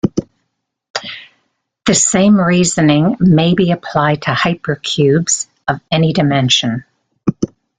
This same reasoning may be applied to hypercubes of any dimension.